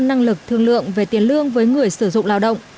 năng lực thương lượng về tiền lương với người sử dụng lao động